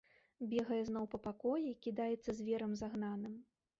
Бегае зноў па пакоі, кідаецца зверам загнаным.